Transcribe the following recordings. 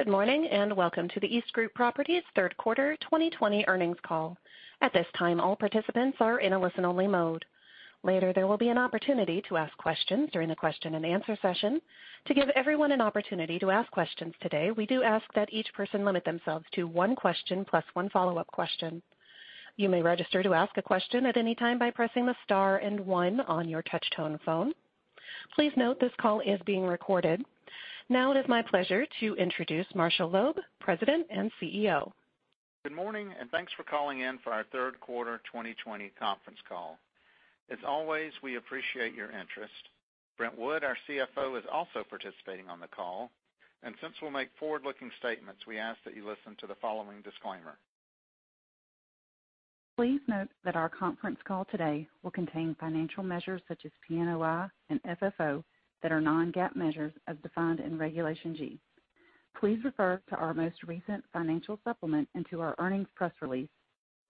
Good morning. Welcome to the EastGroup Properties third quarter 2020 earnings call. At this time, all participants are in a listen-only mode. Later, there will be an opportunity to ask questions during the question-and-answer session. To give everyone an opportunity to ask questions today, we do ask that each person limit themselves to one question plus one follow-up question. You may register to ask a question at anytime by pressing the star and one on your touch-tone phone. Please note this call is being recorded. Now it is my pleasure to introduce Marshall Loeb, President and CEO. Good morning, and thanks for calling in for our third quarter 2020 conference call. As always, we appreciate your interest. Brent Wood, our CFO, is also participating on the call, and since we'll make forward-looking statements, we ask that you listen to the following disclaimer. Please note that our conference call today will contain financial measures such as PNOI and FFO that are non-GAAP measures as defined in Regulation G. Please refer to our most recent financial supplement and to our earnings press release,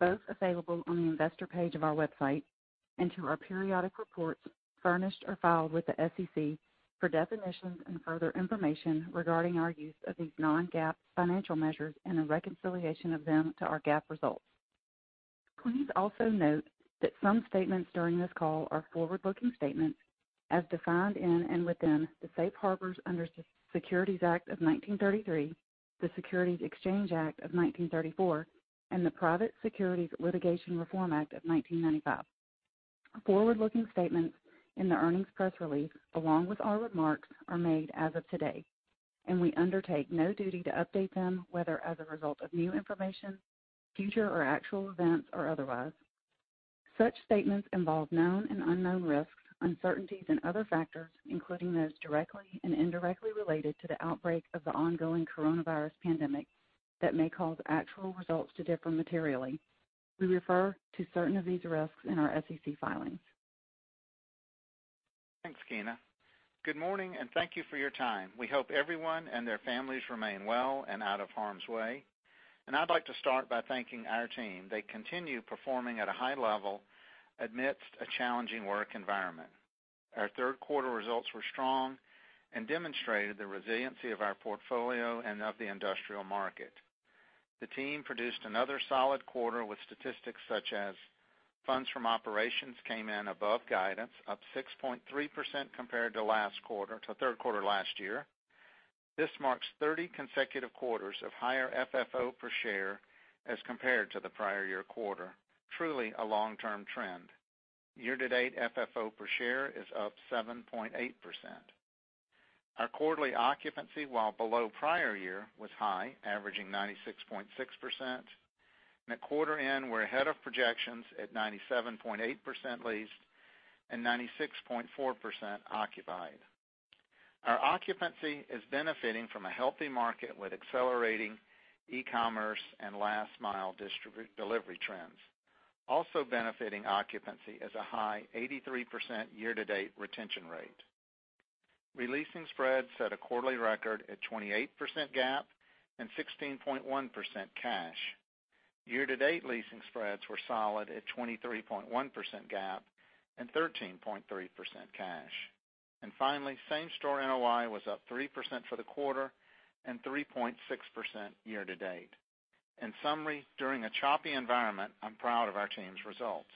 both available on the investor page of our website, and to our periodic reports furnished or filed with the SEC for definitions and further information regarding our use of these non-GAAP financial measures and a reconciliation of them to our GAAP results. Please also note that some statements during this call are forward-looking statements as defined in and within the safe harbors under Securities Act of 1933, the Securities Exchange Act of 1934, and the Private Securities Litigation Reform Act of 1995. Forward-looking statements in the earnings press release, along with our remarks, are made as of today, and we undertake no duty to update them, whether as a result of new information, future or actual events, or otherwise. Such statements involve known and unknown risks, uncertainties, and other factors, including those directly and indirectly related to the outbreak of the ongoing coronavirus pandemic, that may cause actual results to differ materially. We refer to certain of these risks in our SEC filings. Thanks, Keena. Good morning, and thank you for your time. We hope everyone and their families remain well and out of harm's way. I'd like to start by thanking our team. They continue performing at a high level amidst a challenging work environment. Our third quarter results were strong and demonstrated the resiliency of our portfolio and of the industrial market. The team produced another solid quarter with statistics such as funds from operations came in above guidance, up 6.3% compared to last quarter, to third quarter last year. This marks 30 consecutive quarters of higher FFO per share as compared to the prior year quarter. Truly a long-term trend. Year-to-date FFO per share is up 7.8%. Our quarterly occupancy, while below prior year, was high, averaging 96.6%, and at quarter end, we're ahead of projections at 97.8% leased and 96.4% occupied. Our occupancy is benefiting from a healthy market with accelerating e-commerce and last-mile delivery trends. Also benefiting occupancy is a high 83% year-to-date retention rate. Releasing spreads set a quarterly record at 28% GAAP and 16.1% cash. Year-to-date leasing spreads were solid at 23.1% GAAP and 13.3% cash. Finally, same-store NOI was up 3% for the quarter and 3.6% year-to-date. In summary, during a choppy environment, I'm proud of our team's results.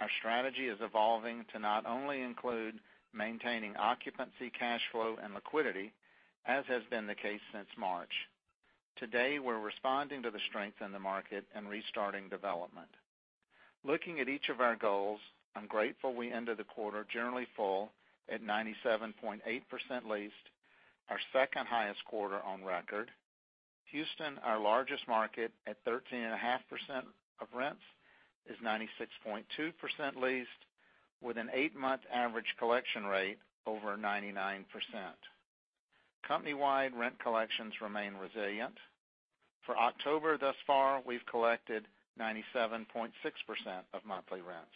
Our strategy is evolving to not only include maintaining occupancy, cash flow, and liquidity, as has been the case since March. Today, we're responding to the strength in the market and restarting development. Looking at each of our goals, I'm grateful we ended the quarter generally full at 97.8% leased, our second highest quarter on record. Houston, our largest market, at 13.5% of rents, is 96.2% leased with an eight-month average collection rate over 99%. Company-wide rent collections remain resilient. For October thus far, we've collected 97.6% of monthly rents.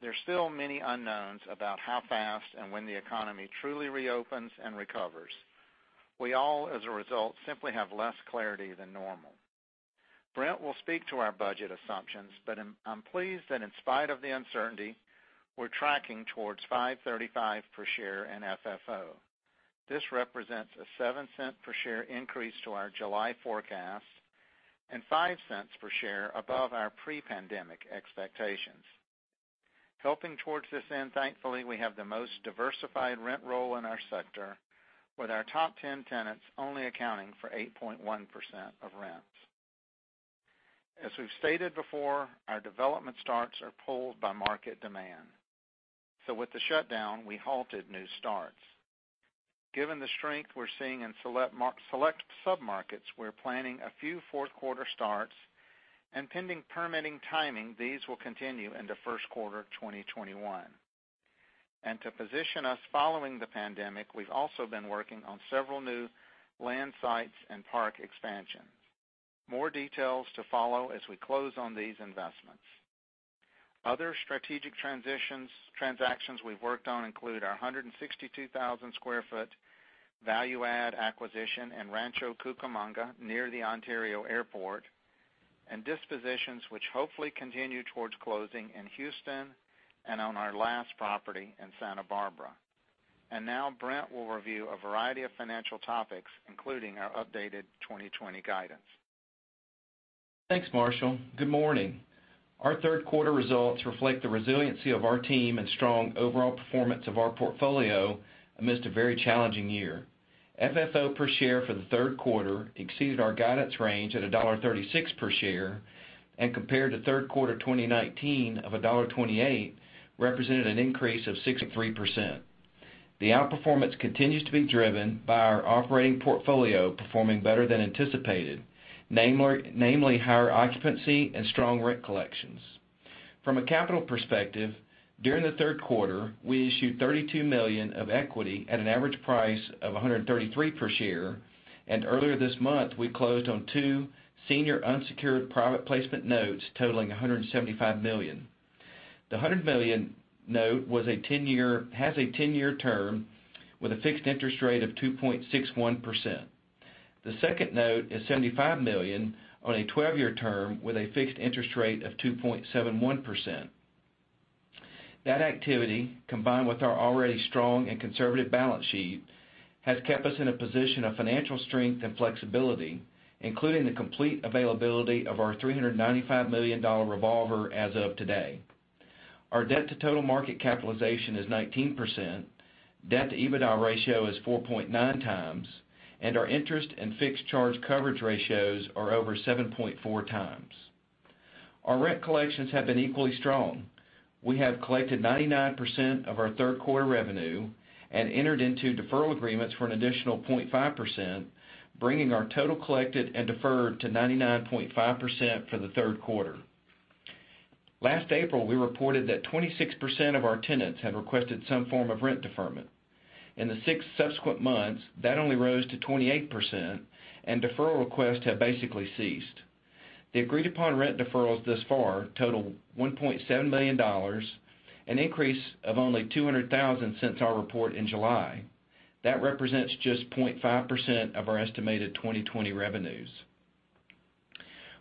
There are still many unknowns about how fast and when the economy truly reopens and recovers. We all, as a result, simply have less clarity than normal. Brent will speak to our budget assumptions, but I'm pleased that in spite of the uncertainty, we're tracking towards $5.35 per share in FFO. This represents a $0.07 per share increase to our July forecast and $0.05 per share above our pre-pandemic expectations. Helping towards this end, thankfully, we have the most diversified rent roll in our sector, with our top 10 tenants only accounting for 8.1% of rents. As we've stated before, our development starts are pulled by market demand. With the shutdown, we halted new starts. Given the strength we're seeing in select submarkets, we're planning a few fourth quarter starts. Pending permitting timing, these will continue into first quarter 2021. To position us following the pandemic, we've also been working on several new land sites and park expansions. More details to follow as we close on these investments. Other strategic transactions we've worked on include our 162,000 sq ft value add acquisition in Rancho Cucamonga near the Ontario Airport. Dispositions which hopefully continue towards closing in Houston and on our last property in Santa Barbara. Now Brent will review a variety of financial topics, including our updated 2020 guidance. Thanks, Marshall. Good morning. Our third quarter results reflect the resiliency of our team and strong overall performance of our portfolio amidst a very challenging year. FFO per share for the third quarter exceeded our guidance range at $1.36 per share, and compared to third quarter 2019 of $1.28, represented an increase of 6.3%. The outperformance continues to be driven by our operating portfolio performing better than anticipated, namely higher occupancy and strong rent collections. From a capital perspective, during the third quarter, we issued $32 million of equity at an average price of $133 per share, and earlier this month, we closed on two senior unsecured private placement notes totaling $175 million. The $100 million note has a 10-year term with a fixed interest rate of 2.61%. The second note is $75 million on a 12-year term with a fixed interest rate of 2.71%. That activity, combined with our already strong and conservative balance sheet, has kept us in a position of financial strength and flexibility, including the complete availability of our $395 million revolver as of today. Our debt to total market capitalization is 19%, debt to EBITDA ratio is 4.9x, and our interest and fixed charge coverage ratios are over 7.4x. Our rent collections have been equally strong. We have collected 99% of our third quarter revenue and entered into deferral agreements for an additional 0.5%, bringing our total collected and deferred to 99.5% for the third quarter. Last April, we reported that 26% of our tenants had requested some form of rent deferment. In the six subsequent months, that only rose to 28%, and deferral requests have basically ceased. The agreed-upon rent deferrals thus far total $1.7 million, an increase of only $200,000 since our report in July. That represents just 0.5% of our estimated 2020 revenues.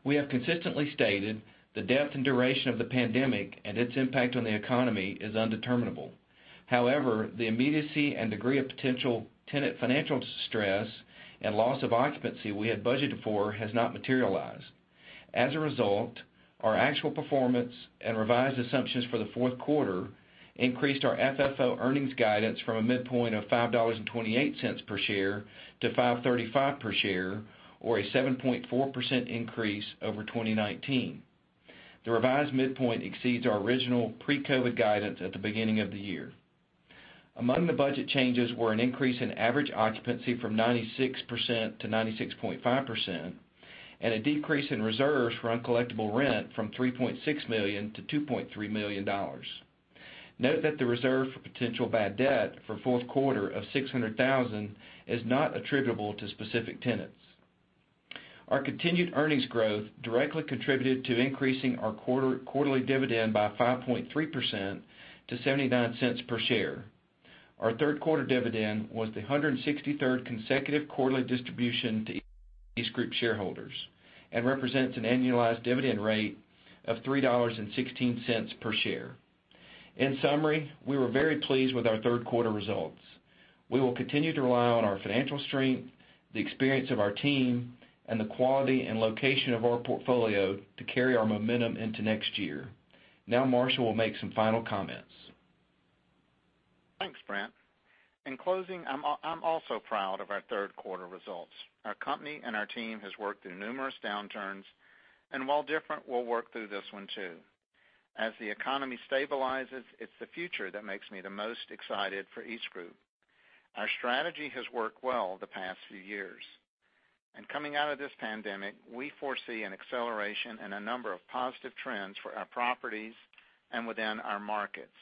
We have consistently stated the depth and duration of the pandemic and its impact on the economy is undeterminable. However, the immediacy and degree of potential tenant financial stress and loss of occupancy we had budgeted for has not materialized. As a result, our actual performance and revised assumptions for the fourth quarter increased our FFO earnings guidance from a midpoint of $5.28 per share to $5.35 per share, or a 7.4% increase over 2019. The revised midpoint exceeds our original pre-COVID guidance at the beginning of the year. Among the budget changes were an increase in average occupancy from 96%-96.5%, and a decrease in reserves for uncollectible rent from $3.6 million to $2.3 million. Note that the reserve for potential bad debt for fourth quarter of $600,000 is not attributable to specific tenants. Our continued earnings growth directly contributed to increasing our quarterly dividend by 5.3% to $0.79 per share. Our third quarter dividend was the 163rd consecutive quarterly distribution to EastGroup shareholders and represents an annualized dividend rate of $3.16 per share. In summary, we were very pleased with our third quarter results. We will continue to rely on our financial strength, the experience of our team, and the quality and location of our portfolio to carry our momentum into next year. Now Marshall will make some final comments. Thanks, Brent. In closing, I'm also proud of our third quarter results. Our company and our team has worked through numerous downturns, and while different, we'll work through this one, too. As the economy stabilizes, it's the future that makes me the most excited for EastGroup. Our strategy has worked well the past few years. Coming out of this pandemic, we foresee an acceleration in a number of positive trends for our properties and within our markets.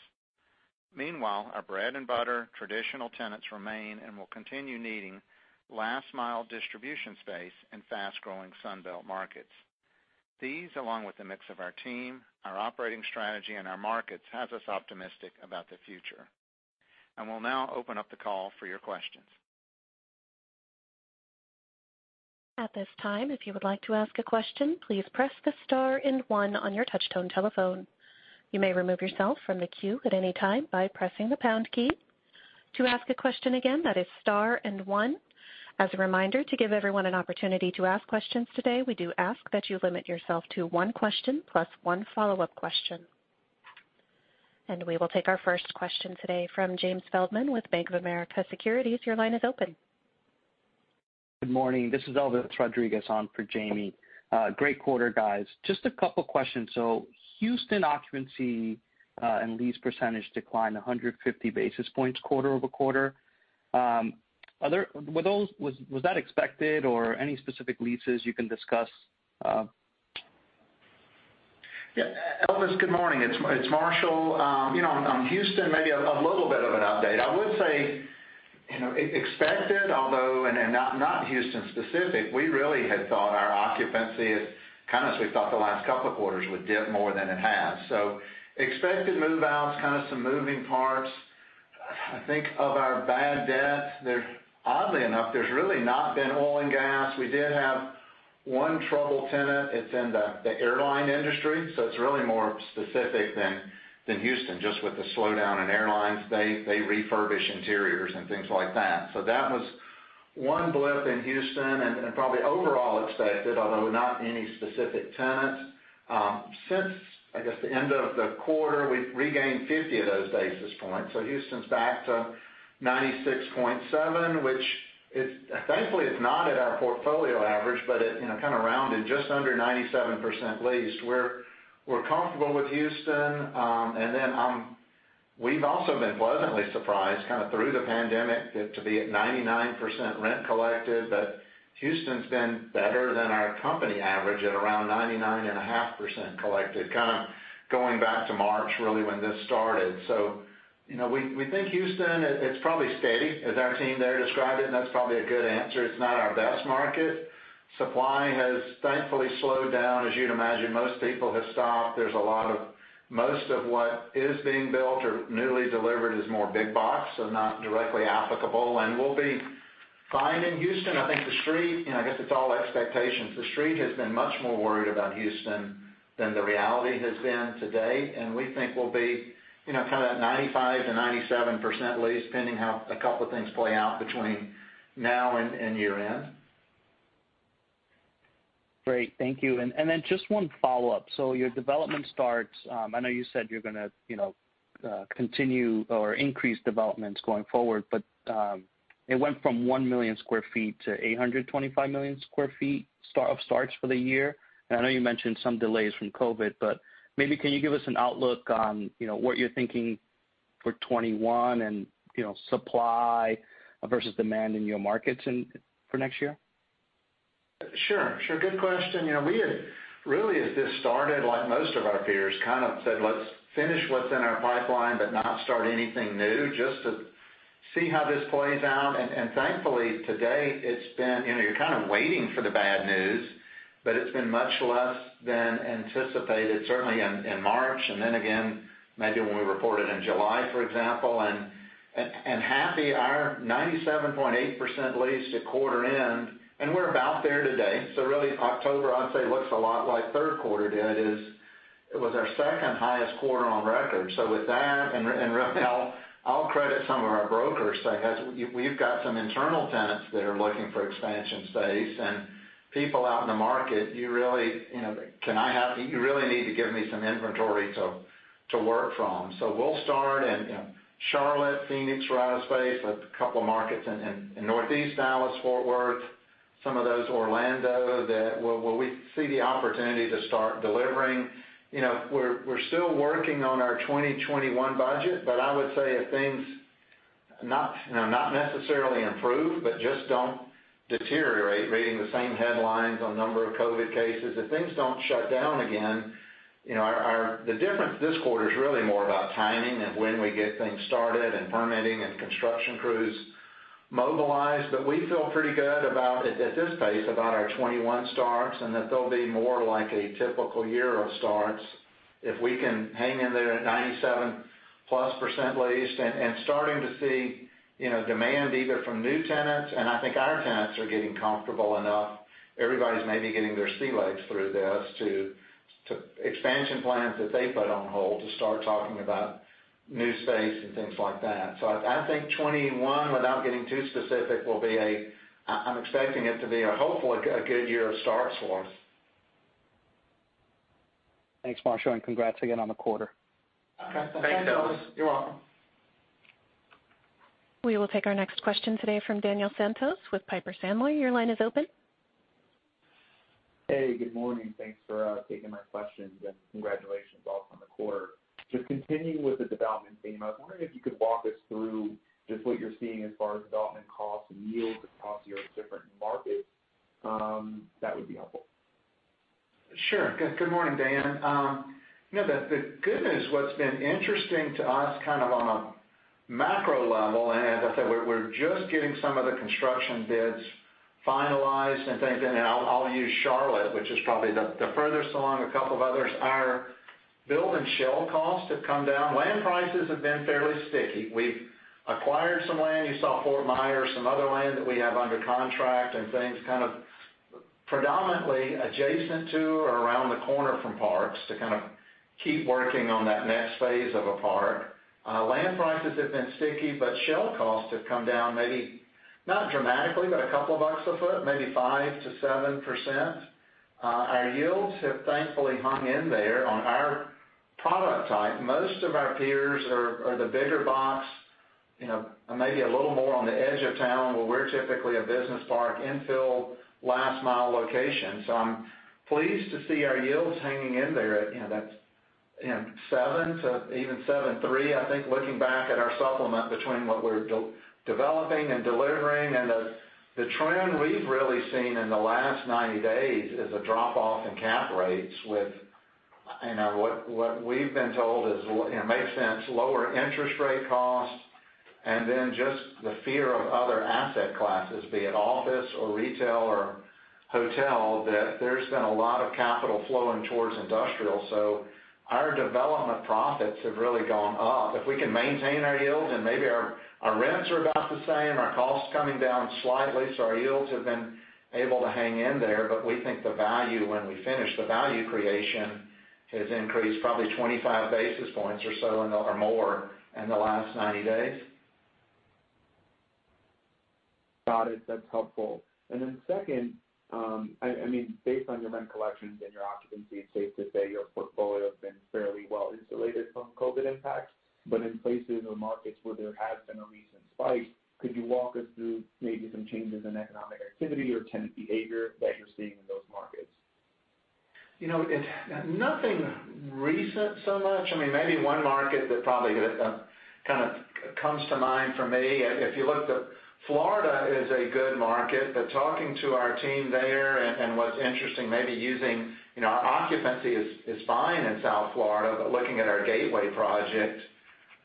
Meanwhile, our bread and butter traditional tenants remain and will continue needing last-mile distribution space in fast-growing Sun Belt markets. These, along with the mix of our team, our operating strategy, and our markets, have us optimistic about the future. We'll now open up the call for your questions. At this time, if you would like to ask a question, please press the star and one on your touch-tone telephone. You may remove yourself from the queue anytime by pressing the pound key. To ask a question, again, that is star and one. As a reminder, to give everyone an opportunity to ask questions today, we do ask that you limit yourself to one question plus one follow-up question. We will take our first question today from James Feldman with Bank of America Securities. Your line is open. Good morning. This is Elvis Rodriguez on for Jamie. Great quarter, guys. Just a couple questions. Houston occupancy and lease percentage declined 150 basis points quarter-over-quarter. Was that expected or any specific leases you can discuss? Yeah, Elvis, good morning. It's Marshall. On Houston, maybe a little bit of an update. I would say, expected, although not Houston specific, we really had thought our occupancy as we thought the last couple of quarters would dip more than it has. Expected move-outs, some moving parts. I think of our bad debts, oddly enough, there's really not been oil and gas. We did have one trouble tenant. It's in the airline industry, so it's really more specific than Houston, just with the slowdown in airlines. They refurbish interiors and things like that. That was one blip in Houston and probably overall expected, although not any specific tenants. Since, I guess, the end of the quarter, we've regained 50 of those basis points. Houston is back to 96.7, which thankfully is not at our portfolio average, but it kind of rounded just under 97% leased. We are comfortable with Houston. We have also been pleasantly surprised kind of through the pandemic to be at 99% rent collected. Houston has been better than our company average at around 99.5% collected, kind of going back to March, really, when this started. We think Houston, it is probably steady as our team there described it, and that is probably a good answer. It is not our best market. Supply has thankfully slowed down. As you would imagine, most people have stopped. Most of what is being built or newly delivered is more big box, so not directly applicable. We will be fine in Houston. I think The Street, I guess it is all expectations. The Street has been much more worried about Houston than the reality has been today. We think we'll be kind of that 95%-97% lease, depending how a couple of things play out between now and year-end. Great. Thank you. Just one follow-up. Your development starts, I know you said you're going to continue or increase developments going forward, but it went from 1 million square feet to 825 million square feet of starts for the year. I know you mentioned some delays from COVID, but maybe can you give us an outlook on what you're thinking for 2021 and supply versus demand in your markets for next year? Sure. Good question. We had, really as this started, like most of our peers, kind of said, "Let's finish what's in our pipeline, but not start anything new, just to see how this plays out." Thankfully, to date, you're kind of waiting for the bad news, but it's been much less than anticipated, certainly in March, and then again maybe when we reported in July, for example. Happy, our 97.8% leased at quarter end, and we're about there today. Really October, I'd say, looks a lot like third quarter did, is it was our second highest quarter on record. With that, and I'll credit some of our brokers. We've got some internal tenants that are looking for expansion space and people out in the market. You really need to give me some inventory to work from. We'll start in Charlotte, Phoenix, we're out of space, a couple markets in Northeast Dallas, Fort Worth, some of those Orlando, that where we see the opportunity to start delivering. We're still working on our 2021 budget, but I would say if things not necessarily improve, but just don't deteriorate, reading the same headlines on number of COVID cases, if things don't shut down again, the difference this quarter is really more about timing and when we get things started and permitting and construction crews mobilized. But we feel pretty good about, at this pace, about our 2021 starts, and that they'll be more like a typical year of starts. If we can hang in there at 97%+ leased and starting to see demand either from new tenants, and I think our tenants are getting comfortable enough. Everybody's maybe getting their sea legs through this to expansion plans that they put on hold to start talking about new space and things like that. I think 2021, without getting too specific, I'm expecting it to be hopefully a good year of starts for us. Thanks, Marshall, and congrats again on the quarter. Thanks, Elvis. You're welcome. We will take our next question today from Daniel Santos with Piper Sandler. Your line is open. Hey, good morning. Thanks for taking my questions, and congratulations also on the quarter. Just continuing with the development theme, I was wondering if you could walk us through just what you're seeing as far as development costs and yields across your different markets. That would be helpful. Sure. Good morning, Dan. The good news, what's been interesting to us kind of on a macro level, like I said, we're just getting some of the construction bids finalized and things. I'll use Charlotte, which is probably the furthest along. A couple of others. Our build and shell costs have come down. Land prices have been fairly sticky. We've acquired some land. You saw Fort Myers, some other land that we have under contract and things kind of predominantly adjacent to or around the corner from parks to kind of keep working on that next phase of a park. Land prices have been sticky. Shell costs have come down, maybe not dramatically, but a couple bucks a foot, maybe 5%-7%. Our yields have thankfully hung in there on our product type. Most of our peers are the bigger box, maybe a little more on the edge of town, where we're typically a business park infill last mile location. I'm pleased to see our yields hanging in there at 7% to even 7.3%, I think, looking back at our supplement between what we're developing and delivering. The trend we've really seen in the last 90 days is a drop-off in cap rates with what we've been told makes sense, lower interest rate costs, and then just the fear of other asset classes, be it office or retail or hotel, that there's been a lot of capital flowing towards industrial. Our development profits have really gone up. If we can maintain our yields and maybe our rents are about the same, our costs coming down slightly, so our yields have been able to hang in there. We think the value, when we finish the value creation, has increased probably 25 basis points or so or more in the last 90 days. Got it. That's helpful. Second, based on your rent collections and your occupancy, it's safe to say your portfolio has been fairly well insulated from COVID impacts. In places or markets where there has been a recent spike, could you walk us through maybe some changes in economic activity or tenant behavior that you're seeing in those markets? Nothing recent so much. Maybe one market that probably comes to mind for me. If you look, Florida is a good market, but talking to our team there and what's interesting may be using our occupancy is fine in South Florida, but looking at our Gateway project,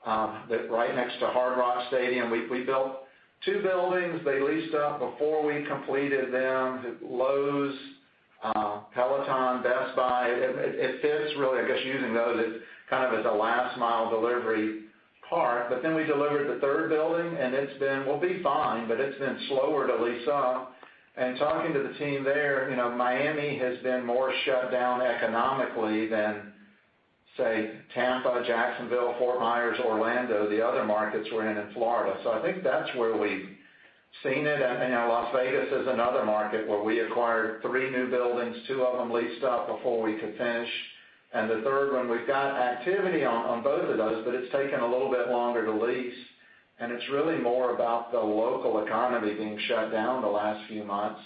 right next to Hard Rock Stadium, we built two buildings. They leased up before we completed them. Lowe's, Peloton, Best Buy. It fits really, I guess, using those as kind of the last mile delivery part. We delivered the third building, and we'll be fine, but it's been slower to lease up. Talking to the team there, Miami has been more shut down economically than, say, Tampa, Jacksonville, Fort Myers, Orlando, the other markets we're in Florida. I think that's where we've seen it. Las Vegas is another market where we acquired three new buildings. Two of them leased up before we could finish. The third one, we've got activity on both of those, but it's taken a little bit longer to lease, and it's really more about the local economy being shut down the last few months.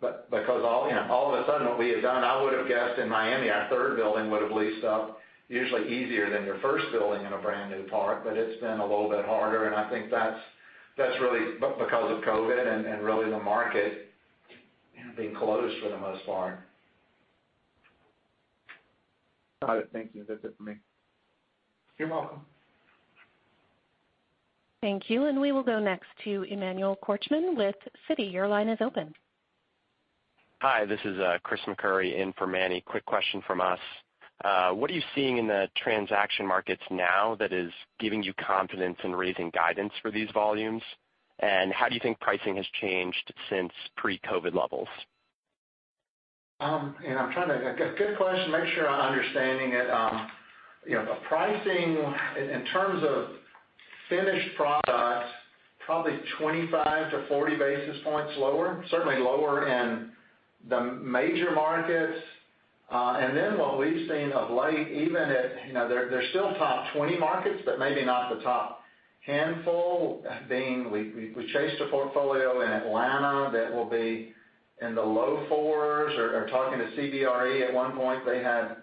Because all of a sudden, what we had done, I would've guessed in Miami, our third building would've leased up usually easier than your first building in a brand-new part, but it's been a little bit harder, and I think that's really because of COVID and really the market being closed for the most part. Got it. Thank you. That's it for me. You're welcome. Thank you. We will go next to Emmanuel Korchman with Citi. Your line is open. Hi, this is Chris McCurry in for Manny. Quick question from us. What are you seeing in the transaction markets now that is giving you confidence in raising guidance for these volumes? How do you think pricing has changed since pre-COVID levels? Good question. Make sure I'm understanding it. Pricing in terms of finished product, probably 25-40 basis points lower, certainly lower in the major markets. What we've seen of late, they're still top 20 markets, but maybe not the top handful. Being we chased a portfolio in Atlanta that will be in the low fours. Talking to CBRE, at one point, they had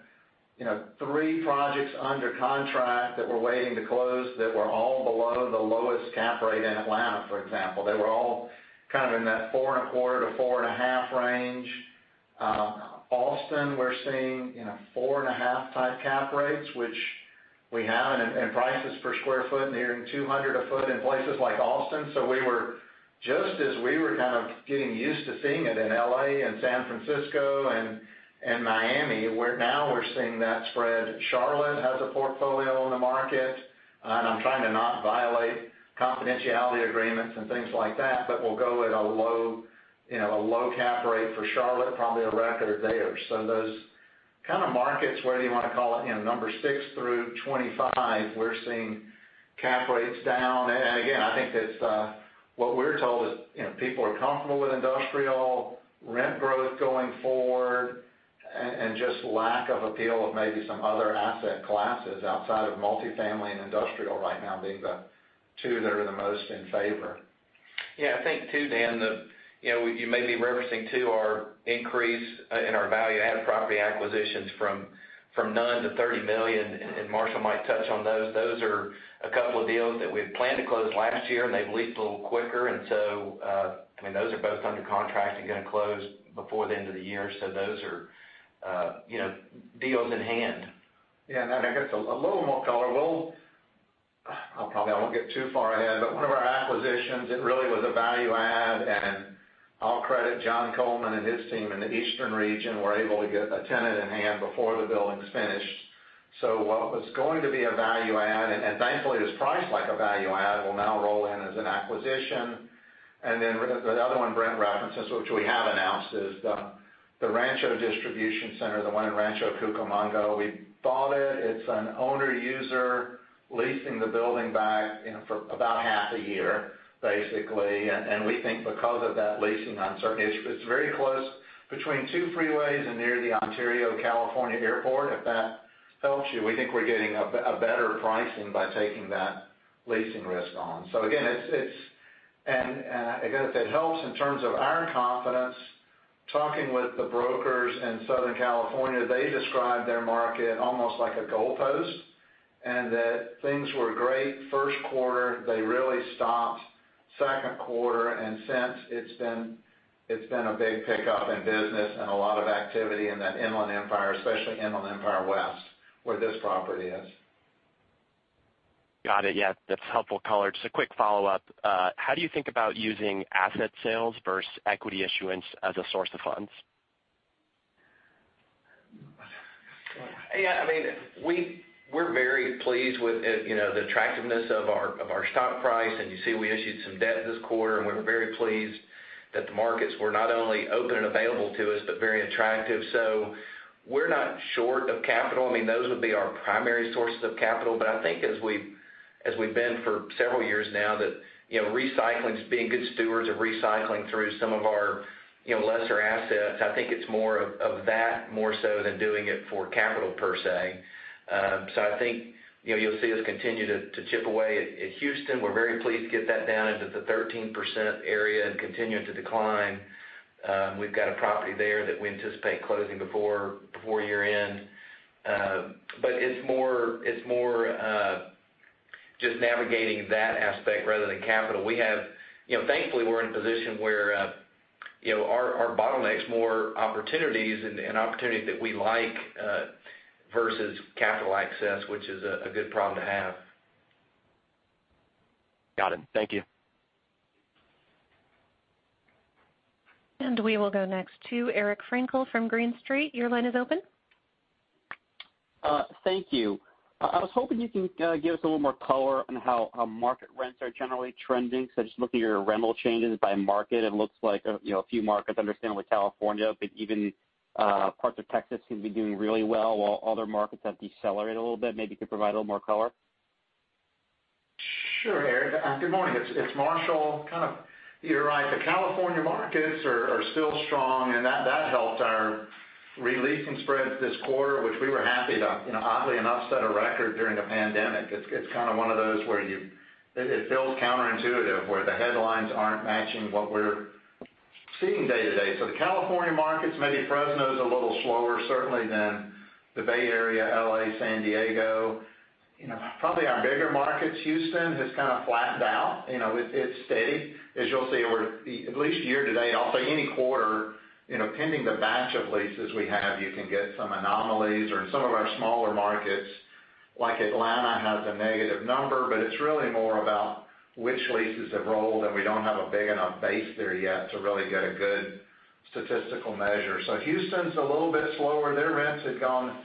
three projects under contract that were waiting to close that were all below the lowest cap rate in Atlanta, for example. They were all kind of in that 4.25%-4.5% range. Austin, we're seeing 4.5%-type cap rates, which we have, and prices per square foot nearing $200 a foot in places like Austin. Just as we were kind of getting used to seeing it in L.A. and San Francisco and Miami, where now we're seeing that spread. Charlotte has a portfolio on the market, and I'm trying to not violate confidentiality agreements and things like that, but we'll go at a low cap rate for Charlotte, probably a record there. Those kind of markets where you want to call it number 6 through 25, we're seeing cap rates down. Again, I think that what we're told is people are comfortable with industrial rent growth going forward, and just lack of appeal of maybe some other asset classes outside of multi-family and industrial right now being the two that are the most in favor. Yeah. I think, too, Dan, you may be referencing, too, our increase in our value add property acquisitions from none to $30 million. Marshall might touch on those. Those are a couple of deals that we had planned to close last year, and they've leased a little quicker. Those are both under contract and going to close before the end of the year. Those are deals in hand. Yeah. I guess a little more color. I probably won't get too far ahead, but one of our acquisitions, it really was a value add, and I'll credit John Coleman and his team in the eastern region, were able to get a tenant in hand before the building's finished. What was going to be a value add, and thankfully it was priced like a value add, will now roll in as an acquisition. Then the other one Brent references, which we have announced, is the Rancho Distribution Center, the one in Rancho Cucamonga. We bought it. It's an owner user leasing the building back for about half a year, basically. We think because of that leasing uncertainty, it's very close between two freeways and near the Ontario California Airport, if that helps you. We think we're getting a better pricing by taking that leasing risk on. Again, if it helps in terms of our confidence, talking with the brokers in Southern California, they describe their market almost like a goalpost, and that things were great first quarter. They really stopped second quarter, and since, it's been a big pickup in business and a lot of activity in that Inland Empire, especially Inland Empire West, where this property is. Got it. Yeah, that's helpful color. Just a quick follow-up. How do you think about using asset sales versus equity issuance as a source of funds? Yeah, we're very pleased with the attractiveness of our stock price, and you see we issued some debt this quarter, and we were very pleased that the markets were not only open and available to us, but very attractive. We're not short of capital. Those would be our primary sources of capital. I think as we've been for several years now, that recycling is being good stewards of recycling through some of our lesser assets. I think it's more of that, more so than doing it for capital per se. I think, you'll see us continue to chip away at Houston. We're very pleased to get that down into the 13% area and continue it to decline. We've got a property there that we anticipate closing before year-end. It's more just navigating that aspect rather than capital. Thankfully, we're in a position where our bottleneck's more opportunities and opportunities that we like versus capital access, which is a good problem to have. Got it. Thank you. We will go next to Eric Frankel from Green Street. Your line is open. Thank you. I was hoping you can give us a little more color on how market rents are generally trending. Just looking at your rental changes by market, it looks like a few markets, understandably California, but even parts of Texas seem to be doing really well, while other markets have decelerated a little bit. Maybe you could provide a little more color? Sure, Eric. Good morning. It's Marshall. Kind of, you're right. The California markets are still strong, and that helped our leasing spreads this quarter, which we were happy to, oddly enough, set a record during a pandemic. It's kind of one of those where it feels counterintuitive, where the headlines aren't matching what we're seeing day to day. The California markets, maybe Fresno's a little slower certainly than the Bay Area, L.A., San Diego. Probably our bigger markets, Houston, has kind of flattened out. It's steady. As you'll see over at least year-to-date, I'll say any quarter, pending the batch of leases we have, you can get some anomalies or in some of our smaller markets, like Atlanta has a negative number, but it's really more about which leases have rolled, and we don't have a big enough base there yet to really get a good statistical measure. Houston's a little bit slower. Their rents had gone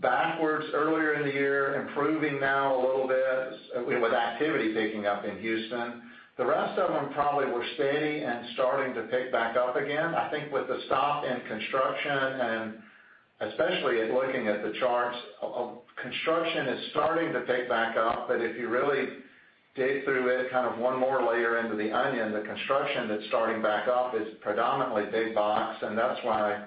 backwards earlier in the year, improving now a little bit, with activity picking up in Houston. The rest of them probably were steady and starting to pick back up again. I think with the stop in construction and especially at looking at the charts, construction is starting to pick back up. If you really dig through it, kind of one more layer into the onion, the construction that's starting back up is predominantly big box, and that's why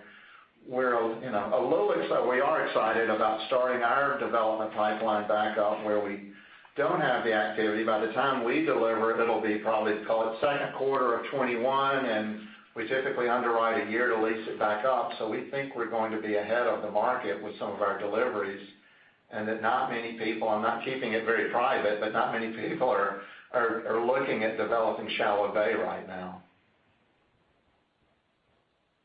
we're a little excited. We are excited about starting our development pipeline back up where we don't have the activity. By the time we deliver, it'll be probably call it second quarter of 2021, and we typically underwrite a year to lease it back up. We think we're going to be ahead of the market with some of our deliveries, and that not many people, I'm not keeping it very private, but not many people are looking at developing shallow bay right now.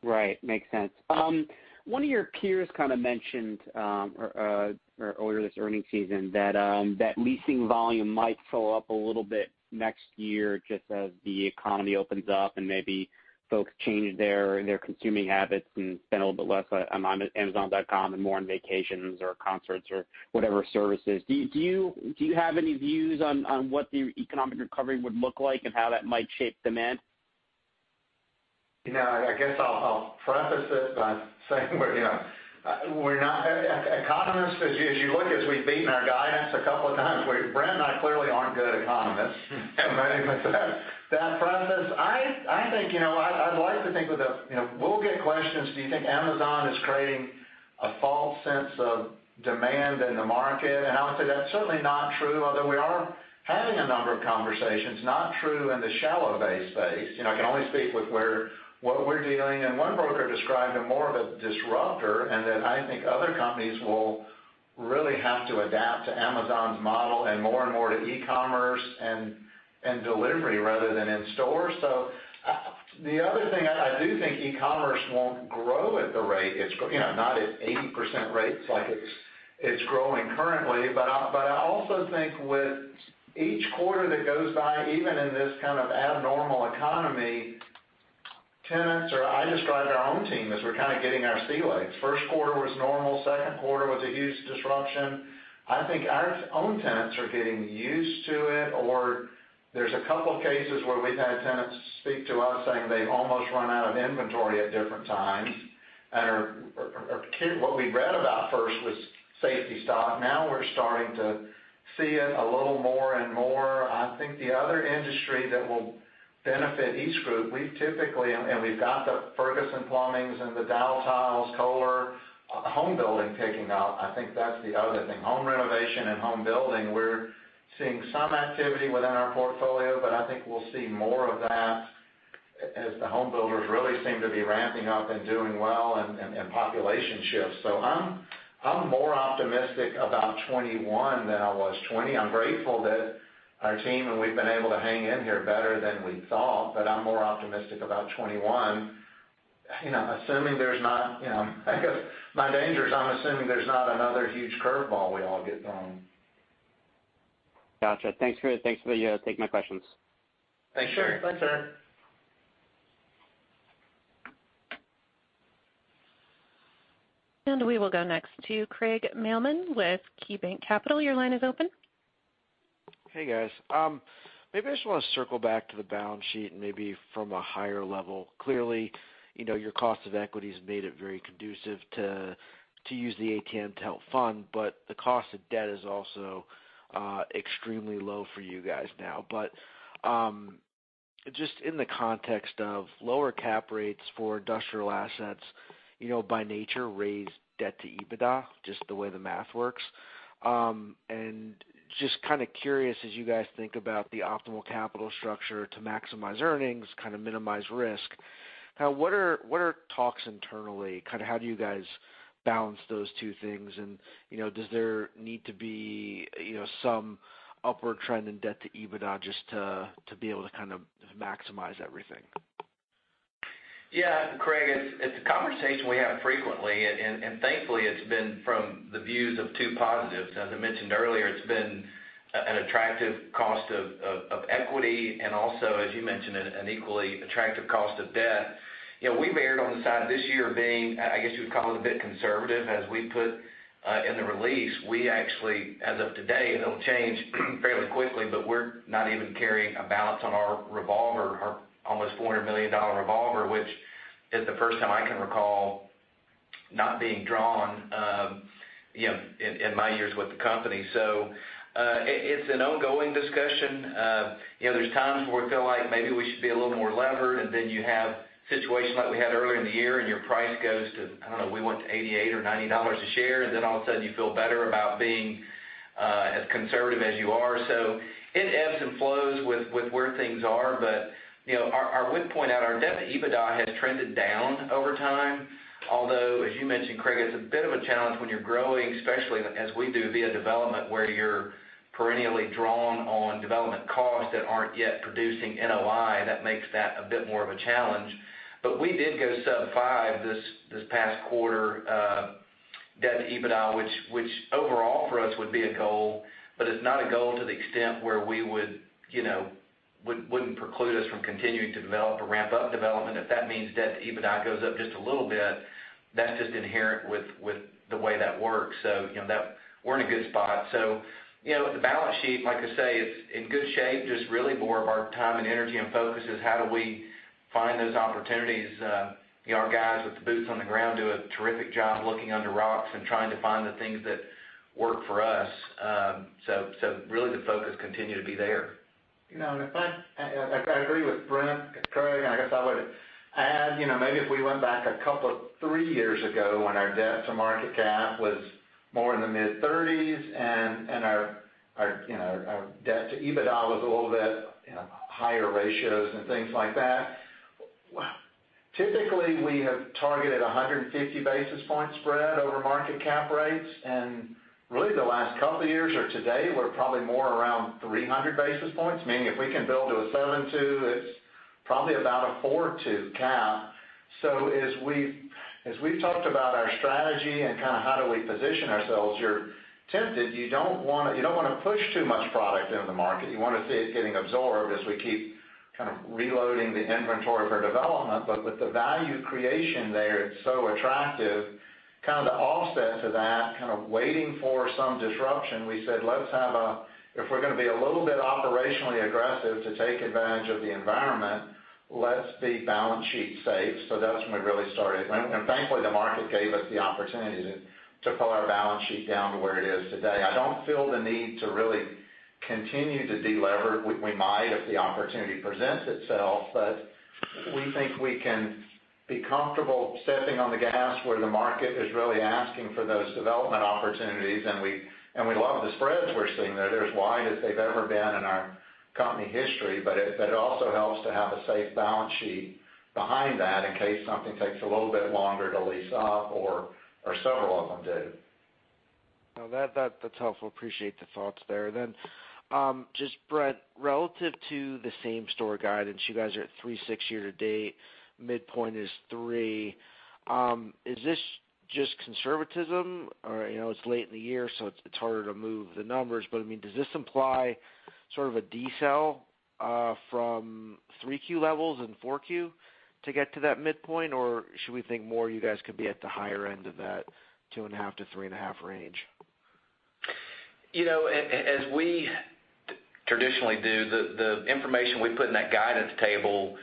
Right. Makes sense. One of your peers kind of mentioned, earlier this earning season, that leasing volume might slow up a little bit next year just as the economy opens up and maybe folks change their consuming habits and spend a little bit less on Amazon.com and more on vacations or concerts or whatever services. Do you have any views on what the economic recovery would look like and how that might shape demand? I guess I'll preface it by saying we're not economists. As we've beaten our guidance a couple of times, Brent and I clearly aren't good economists. That preface. I'd like to think we'll get questions, do you think Amazon is creating a false sense of demand in the market? I would say that's certainly not true, although we are having a number of conversations. Not true in the shallow bay space. I can only speak with what we're dealing in. One broker described it more of a disruptor, and that I think other companies will really have to adapt to Amazon's model and more and more to e-commerce and delivery rather than in store. The other thing, I do think e-commerce won't grow at the rate. Not at 80% rates like it's growing currently. I also think with each quarter that goes by, even in this kind of abnormal economy, tenants or I describe our own team as we're kind of getting our sea legs. First quarter was normal, second quarter was a huge disruption. I think our own tenants are getting used to it, or there's a couple of cases where we've had tenants speak to us saying they've almost run out of inventory at different times. What we read about first was safety stock. Now we're starting to see it a little more and more. I think the other industry that will benefit EastGroup, we've typically we've got the Ferguson Enterprises and the Daltile, Kohler. Home building picking up, I think that's the other thing. Home renovation and home building, we're seeing some activity within our portfolio, I think we'll see more of that as the home builders really seem to be ramping up and doing well and population shifts. I'm more optimistic about 2021 than I was 2020. Our team, we've been able to hang in here better than we thought. I'm more optimistic about 2021, assuming there's not. My danger is I'm assuming there's not another huge curve ball we all get thrown. Got you. Thanks for letting me take my questions. Thanks, Eric. Sure. Bye, Eric. We will go next to Craig Mailman with KeyBanc Capital. Your line is open. Hey, guys. Maybe I just want to circle back to the balance sheet and maybe from a higher level. Clearly, your cost of equity's made it very conducive to use the ATM to help fund. The cost of debt is also extremely low for you guys now. Just in the context of lower cap rates for industrial assets, by nature, raise debt to EBITDA, just the way the math works. Just kind of curious, as you guys think about the optimal capital structure to maximize earnings, kind of minimize risk, what are talks internally? How do you guys balance those two things? Does there need to be some upward trend in debt to EBITDA just to be able to maximize everything? Craig, it's a conversation we have frequently, and thankfully, it's been from the views of two positives. As I mentioned earlier, it's been an attractive cost of equity and also, as you mentioned, an equally attractive cost of debt. We've erred on the side this year being, I guess you would call it a bit conservative, as we put in the release. We actually, as of today, it'll change fairly quickly, but we're not even carrying a balance on our revolver, our almost $400 million revolver, which is the first time I can recall not being drawn in my years with the company. It's an ongoing discussion. There's times where we feel like maybe we should be a little more levered, and then you have situations like we had earlier in the year, and your price goes to, I don't know, we went to $88 or $90 a share, and then all of a sudden you feel better about being as conservative as you are. It ebbs and flows with where things are. I would point out our debt-to-EBITDA has trended down over time. Although, as you mentioned, Craig, it's a bit of a challenge when you're growing, especially as we do via development, where you're perennially drawn on development costs that aren't yet producing NOI. That makes that a bit more of a challenge. We did go sub five this past quarter, debt to EBITDA, which overall for us would be a goal, but it's not a goal to the extent where wouldn't preclude us from continuing to develop or ramp up development. If that means debt to EBITDA goes up just a little bit, that's just inherent with the way that works. We're in a good spot. The balance sheet, like I say, it's in good shape, just really more of our time and energy and focus is how do we find those opportunities? Our guys with the boots on the ground do a terrific job looking under rocks and trying to find the things that work for us. Really the focus continue to be there. I agree with Brent and Craig, I guess I would add, maybe if we went back a couple of, three years ago, when our debt to market cap was more in the mid-30s and our debt to EBITDA was a little bit higher ratios and things like that. Typically, we have targeted 150 basis point spread over market cap rates. Really, the last couple of years or today, we're probably more around 300 basis points, meaning if we can build to a 7-2, it's probably about a 4-2 cap. As we've talked about our strategy and kind of how do we position ourselves, you're tempted. You don't want to push too much product into the market. You want to see it getting absorbed as we keep kind of reloading the inventory for development. With the value creation there, it's so attractive, kind of the offset to that, kind of waiting for some disruption, we said, if we're going to be a little bit operationally aggressive to take advantage of the environment, let's be balance sheet safe. That's when we really started. Thankfully, the market gave us the opportunity to pull our balance sheet down to where it is today. I don't feel the need to really continue to delever. We might if the opportunity presents itself, but we think we can be comfortable stepping on the gas where the market is really asking for those development opportunities, and we love the spreads we're seeing there. They're as wide as they've ever been in our company history. It also helps to have a safe balance sheet behind that in case something takes a little bit longer to lease up or several of them do. No, that's helpful. Appreciate the thoughts there. Just Brent, relative to the same-store guidance, you guys are at 3.6 year-to-date, midpoint is three. Is this just conservatism? It's late in the year, so it's harder to move the numbers. I mean, does this imply sort of a de-sell from 3Q levels in 4Q to get to that midpoint, or should we think more you guys could be at the higher end of that 2.5%-3.5% range? As we traditionally do, the information we put in that guidance table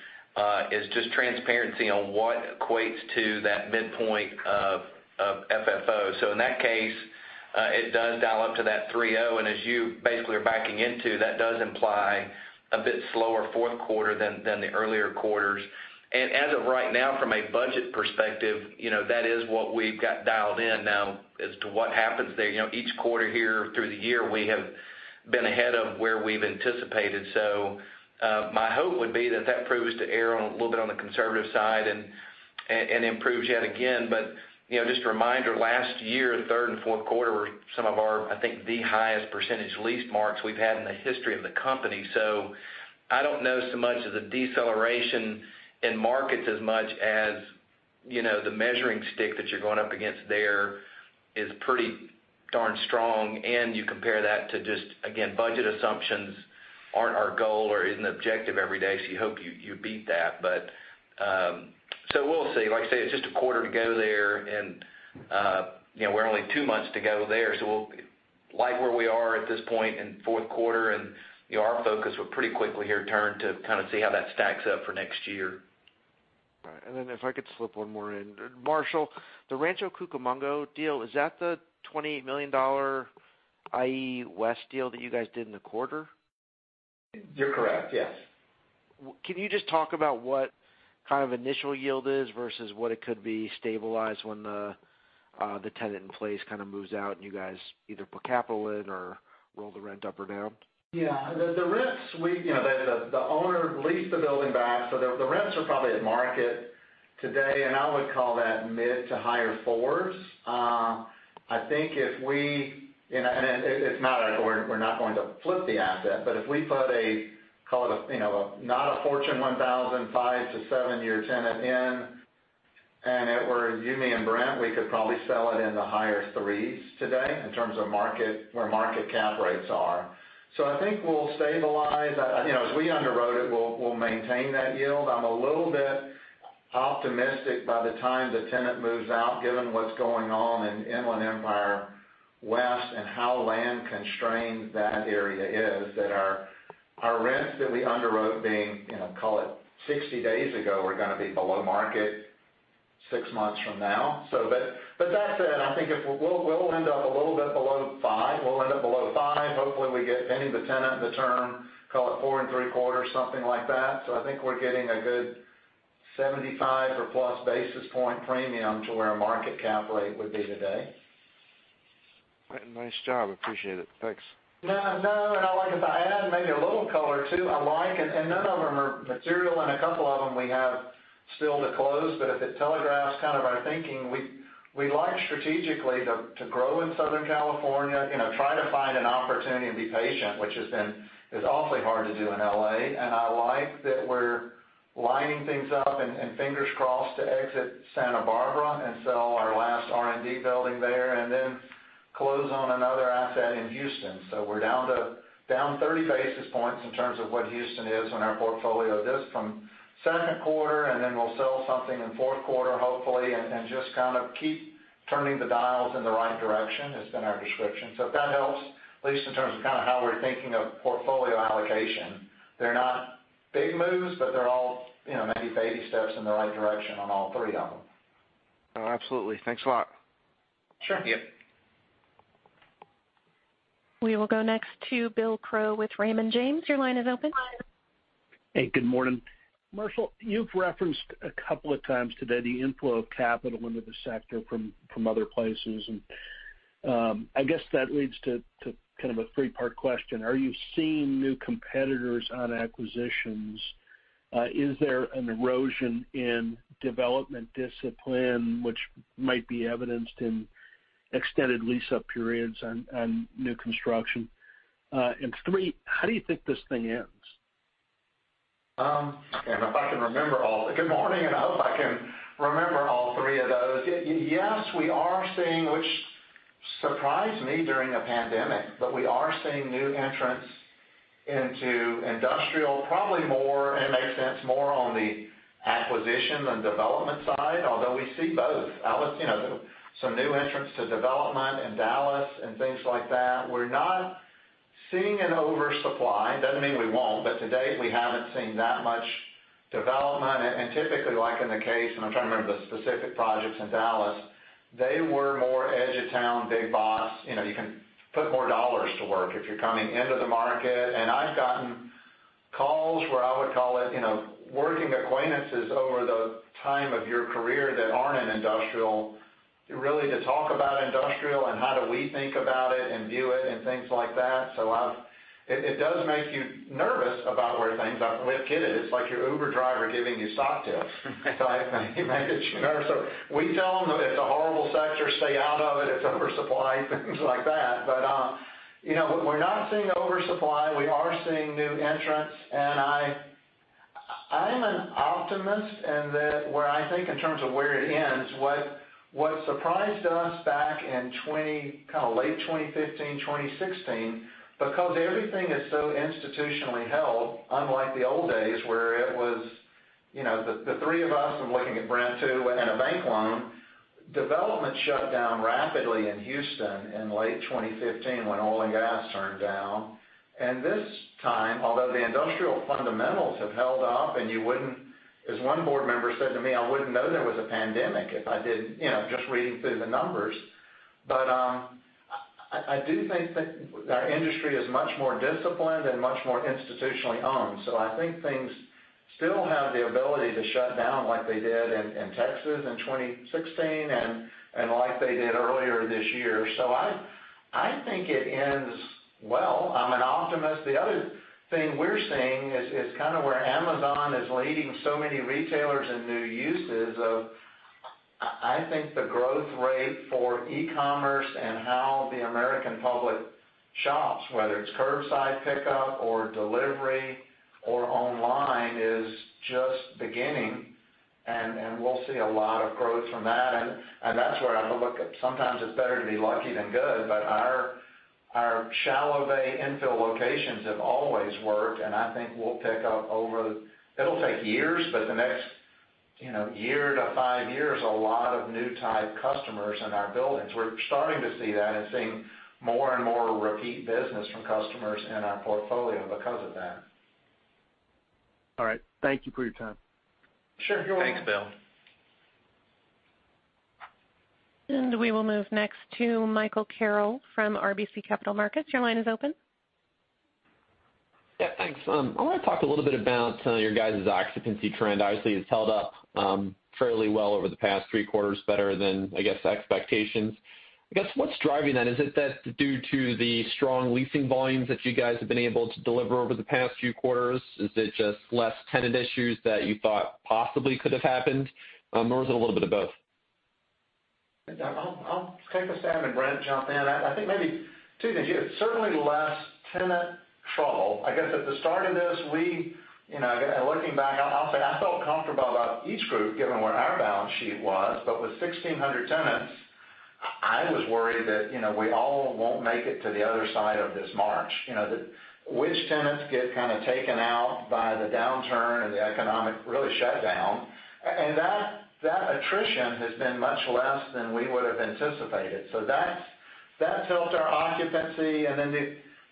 is just transparency on what equates to that midpoint of FFO. In that case, it does dial up to that 3.0%. As you basically are backing into, that does imply a bit slower fourth quarter than the earlier quarters. As of right now, from a budget perspective, that is what we've got dialed in now as to what happens there. Each quarter here through the year, we have been ahead of where we've anticipated. My hope would be that that proves to err a little bit on the conservative side and improves yet again. Just a reminder, last year, third and fourth quarter were some of our, I think, the highest percentage lease marks we've had in the history of the company. I don't know so much as a deceleration in markets as much as the measuring stick that you're going up against there is pretty darn strong, and you compare that to just, again, budget assumptions aren't our goal or isn't the objective every day, so you hope you beat that. We'll see. Like I say, it's just a quarter to go there, and we're only two months to go there, so like where we are at this point in fourth quarter. Our focus will pretty quickly here turn to kind of see how that stacks up for next year. Right. Then if I could slip one more in. Marshall, the Rancho Cucamonga deal, is that the $28 million IE West deal that you guys did in the quarter? You're correct, yes. Can you just talk about what kind of initial yield is versus what it could be stabilized when the tenant in place kind of moves out and you guys either put capital in or roll the rent up or down? The owner leased the building back, so the rents are probably at market today, and I would call that mid to higher fours. It is not like we are not going to flip the asset, but if we put a, call it, not a Fortune 1000, five to seven-year tenant in, and it were you, me, and Brent, we could probably sell it in the higher threes today in terms of where market cap rates are. I think we will stabilize. As we underwrote it, we will maintain that yield. I am a little bit optimistic by the time the tenant moves out, given what is going on in Inland Empire West and how land-constrained that area is, that our rents that we underwrote being, call it 60 days ago, are going to be below market six months from now. That said, I think we will end up a little bit below five. We'll end up below five. Hopefully, we get pending the tenant, the term, call it four and three-quarter, something like that. I think we're getting a good 75 or plus basis point premium to where a market cap rate would be today. Nice job. Appreciate it. Thanks. No, if I add maybe a little color, too, I like none of them are material, and a couple of them we have still to close, but if it telegraphs kind of our thinking, we like strategically to grow in Southern California, try to find an opportunity and be patient, which is awfully hard to do in L.A. I like that we're lining things up, and fingers crossed, to exit Santa Barbara and sell our last R&D building there and then close on another asset in Houston. We're down 30 basis points in terms of what Houston is in our portfolio just from second quarter, then we'll sell something in fourth quarter, hopefully, and just kind of keep turning the dials in the right direction, has been our description. If that helps, at least in terms of kind of how we're thinking of portfolio allocation. They're not big moves, but they're all maybe baby steps in the right direction on all three of them. Oh, absolutely. Thanks a lot. Sure. We will go next to Bill Crow with Raymond James. Your line is open. Hey, good morning. Marshall, you've referenced a couple of times today the inflow of capital into the sector from other places, and I guess that leads to kind of a three-part question. Are you seeing new competitors on acquisitions? Is there an erosion in development discipline which might be evidenced in extended lease-up periods on new construction? Three, how do you think this thing ends? Good morning. I hope I can remember all three of those. Yes, we are seeing, which surprised me during a pandemic, but we are seeing new entrants into industrial, probably more, and it makes sense, more on the acquisition than development side, although we see both. Some new entrants to development in Dallas and things like that. We're not seeing an oversupply. It doesn't mean we won't, but to date, we haven't seen that much development. Typically, like in the case, and I'm trying to remember the specific projects in Dallas, they were more edge of town, big box. You can put more dollars to work if you're coming into the market. I've gotten calls where I would call it working acquaintances over the time of your career that aren't in industrial, really to talk about industrial and how do we think about it and view it and things like that. It does make you nervous about where things are. With [kid is], it's like your Uber driver giving you stock tips. I think it makes it nervous. We tell them that it's a horrible sector, stay out of it's oversupplied, things like that. We're not seeing oversupply. We are seeing new entrants, and I'm an optimist in that where I think in terms of where it ends, what surprised us back in kind of late 2015, 2016, because everything is so institutionally held, unlike the old days where it was the three of us, I'm looking at Brent, too, and a bank loan. Development shut down rapidly in Houston in late 2015 when oil and gas turned down. This time, although the industrial fundamentals have held up, as one board member said to me, "I wouldn't know there was a pandemic just reading through the numbers." I do think that our industry is much more disciplined and much more institutionally owned. I think things still have the ability to shut down like they did in Texas in 2016 and like they did earlier this year. I think it ends well. I'm an optimist. The other thing we're seeing is kind of where Amazon is leading so many retailers. I think the growth rate for e-commerce and how the American public shops, whether it's curbside pickup or delivery or online, is just beginning, and we'll see a lot of growth from that. That's where I look at sometimes it's better to be lucky than good, but our shallow bay infill locations have always worked, and I think we'll pick up over It'll take years, but the next year to five years, a lot of new type customers in our buildings. We're starting to see that and seeing more and more repeat business from customers in our portfolio because of that. All right. Thank you for your time. Sure. You're welcome. Thanks, Bill. We will move next to Michael Carroll from RBC Capital Markets. Your line is open. Yeah, thanks. I want to talk a little bit about some of your guys' occupancy trend. It's held up fairly well over the past three quarters better than, I guess, expectations. I guess, what's driving that? Is it that due to the strong leasing volumes that you guys have been able to deliver over the past few quarters? Is it just less tenant issues that you thought possibly could have happened? Was it a little bit of both? I'll take a stab. Brent jump in. I think maybe two things. Certainly less tenant trouble. I guess at the start of this, looking back, I'll say I felt comfortable about EastGroup given where our balance sheet was. With 1,600 tenants, I was worried that we all won't make it to the other side of this March. Which tenants get kind of taken out by the downturn and the economic really shut down. That attrition has been much less than we would've anticipated. That's helped our occupancy.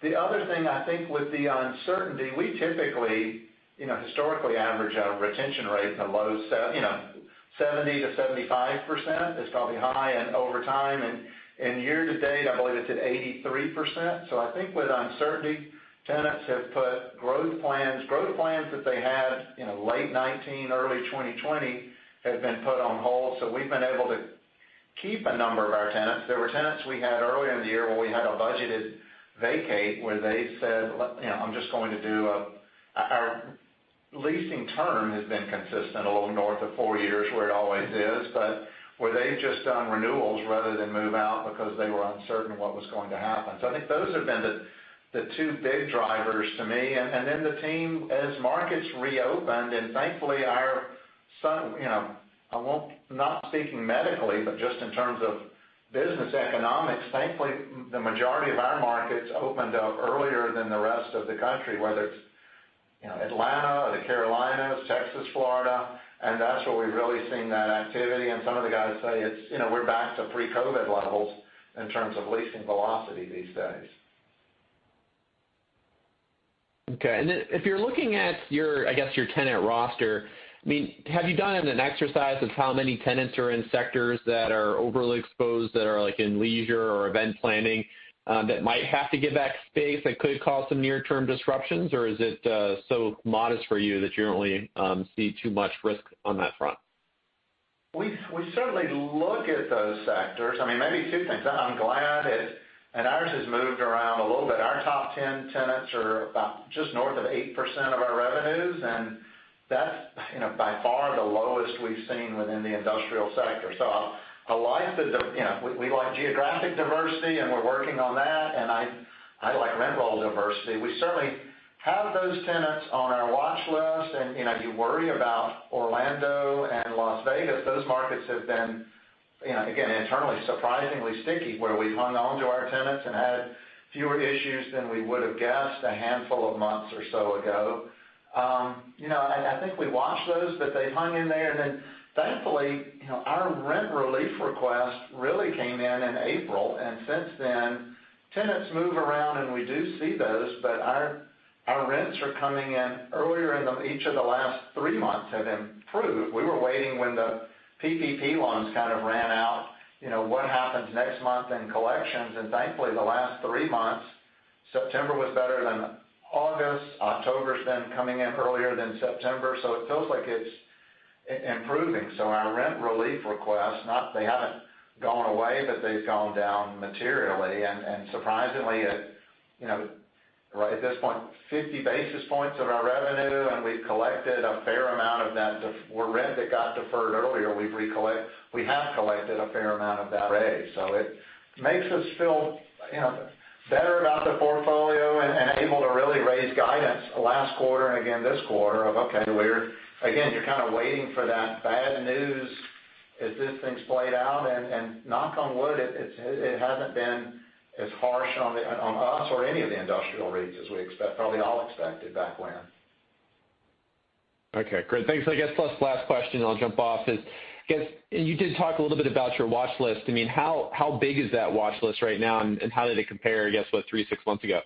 The other thing, I think with the uncertainty, we typically historically average our retention rate in the low 70%-75%, is probably high and over time. Year to date, I believe it's at 83%. I think with uncertainty, tenants have put growth plans that they had late 2019, early 2020, have been put on hold. We've been able to keep a number of our tenants. There were tenants we had earlier in the year where we had a budgeted vacate where they said, "I'm just going to do a." Our leasing term has been consistent, a little north of four years where it always is, but where they've just done renewals rather than move out because they were uncertain what was going to happen. I think those have been the two big drivers to me. The team, as markets reopened, and thankfully, I'm not speaking medically, but just in terms of business economics, thankfully, the majority of our markets opened up earlier than the rest of the country, whether it's Atlanta or the Carolinas, Texas, Florida, and that's where we've really seen that activity. Some of the guys say we're back to pre-COVID levels in terms of leasing velocity these days. Okay. If you're looking at your, I guess, your tenant roster, have you done an exercise of how many tenants are in sectors that are overly exposed, that are in leisure or event planning, that might have to give back space that could cause some near-term disruptions? Is it so modest for you that you don't really see too much risk on that front? We certainly look at those sectors. Maybe two things. I'm glad ours has moved around a little bit. Our top 10 tenants are about just north of 8% of our revenues, and that's by far the lowest we've seen within the industrial sector. We like geographic diversity, and we're working on that, and I like rent roll diversity. We certainly have those tenants on our watch list. You worry about Orlando and Las Vegas. Those markets have been, again, internally, surprisingly sticky, where we've hung on to our tenants and had fewer issues than we would've guessed a handful of months or so ago. I think we watched those, but they hung in there. Thankfully, our rent relief request really came in in April. Since then, tenants move around and we do see those, but our rents are coming in earlier in each of the last three months have improved. We were waiting when the PPP loans kind of ran out, what happens next month in collections? Thankfully, the last three months, September was better than August. October's then coming in earlier than September. It feels like it's improving. Our rent relief requests, they haven't gone away, but they've gone down materially. Surprisingly, at this point, 50 basis points of our revenue, and we've collected a fair amount of that rent that got deferred earlier. We have collected a fair amount of that arrears. It makes us feel better about the portfolio and able to really raise guidance last quarter and again this quarter. Again, you're kind of waiting for that bad news as this thing's played out, and knock on wood, it hasn't been as harsh on us or any of the industrial REITs as probably all expected back when. Okay, great. Thanks. I guess last question, then I'll jump off is, I guess, you did talk a little bit about your watch list. How big is that watch list right now, and how did it compare, I guess, with three, six months ago?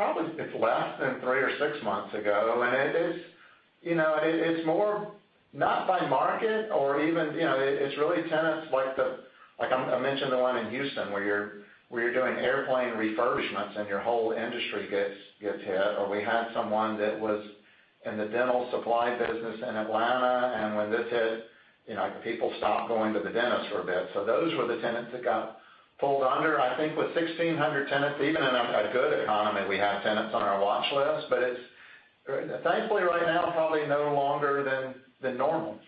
Probably it's less than three or six months ago. It's more not by market or even It's really tenants like I mentioned, the one in Houston where you're doing airplane refurbishments and your whole industry gets hit, or we had someone that was in the dental supply business in Atlanta, and when this hit, people stopped going to the dentist for a bit. Those were the tenants that got pulled under. I think with 1,600 tenants, even in a good economy, we have tenants on our watch list, but it's thankfully right now, probably no longer than normal.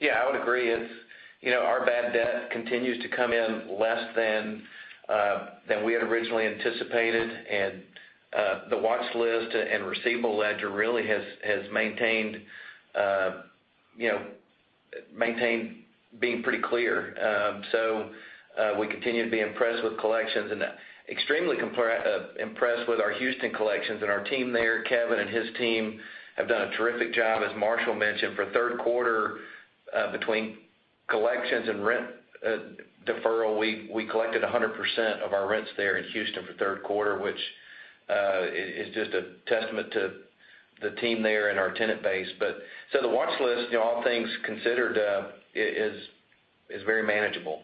Yeah, I would agree. Our bad debt continues to come in less than we had originally anticipated, and the watch list and receivable ledger really has maintained being pretty clear. We continue to be impressed with collections and extremely impressed with our Houston collections and our team there. Kevin and his team have done a terrific job, as Marshall mentioned, for third quarter, between collections and rent deferral, we collected 100% of our rents there in Houston for third quarter, which is just a testament to the team there and our tenant base. The watch list, all things considered, is very manageable.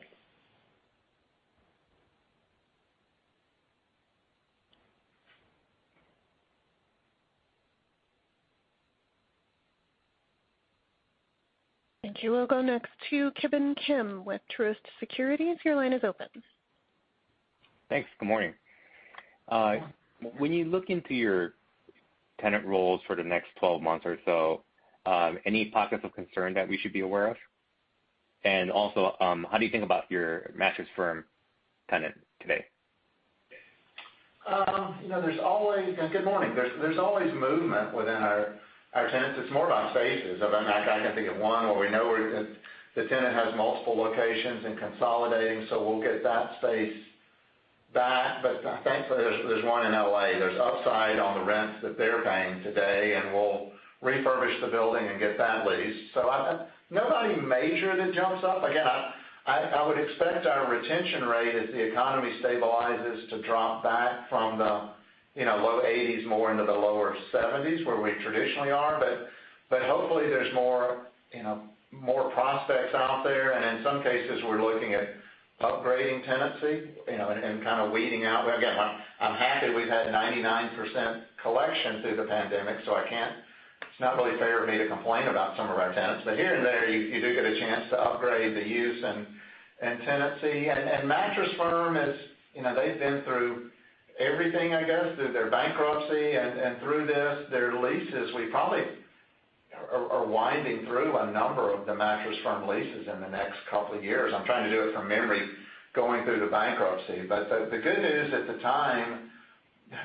Thank you. We'll go next to Ki Bin Kim with Truist Securities. Your line is open. Thanks. Good morning. When you look into your tenant rolls for the next 12 months or so, any pockets of concern that we should be aware of? Also, how do you think about your Mattress Firm tenant today? Good morning. There's always movement within our tenants. It's more about spaces. I can think of one where we know the tenant has multiple locations and consolidating, so we'll get that space back. Thankfully, there's one in L.A. There's upside on the rents that they're paying today, and we'll refurbish the building and get that lease. Nobody major that jumps up. Again, I would expect our retention rate as the economy stabilizes to drop back from the low 80s more into the lower 70s, where we traditionally are. Hopefully, there's more prospects out there, and in some cases, we're looking at upgrading tenancy, and kind of weeding out. Again, I'm happy we've had 99% collection through the pandemic, so it's not really fair for me to complain about some of our tenants. Here and there, you do get a chance to upgrade the use and tenancy. Mattress Firm, they've been through everything, I guess, through their bankruptcy and through this. Their leases, we probably are winding through a number of the Mattress Firm leases in the next couple of years. I'm trying to do it from memory, going through the bankruptcy. The good news at the time,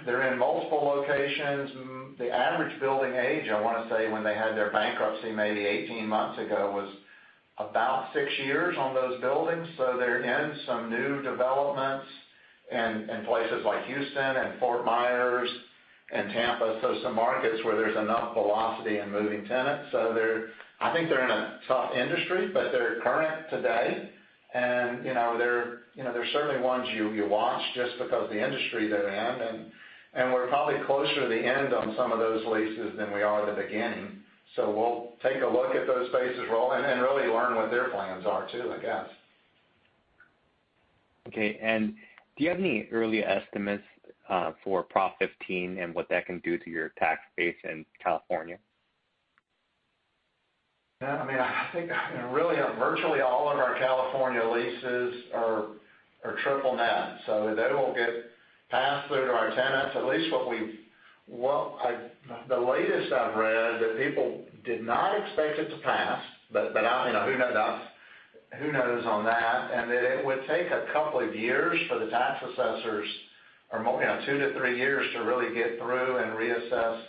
they're in multiple locations, and the average building age, I want to say, when they had their bankruptcy maybe 18 months ago, was about six years on those buildings. They're in some new developments in places like Houston and Fort Myers and Tampa. Some markets where there's enough velocity in moving tenants. I think they're in a tough industry, but they're current today, and they're certainly ones you watch just because the industry they're in. We're probably closer to the end on some of those leases than we are the beginning. We'll take a look at those spaces roll and really learn what their plans are too, I guess. Okay. Do you have any early estimates for Prop 15 and what that can do to your tax base in California? I think really virtually all of our California leases are triple net, so that'll get passed through to our tenants. The latest I've read, that people did not expect it to pass, but who knows on that? That it would take a couple of years for the tax assessors, or two to three years to really get through and reassess